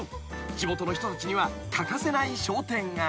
［地元の人たちには欠かせない商店街］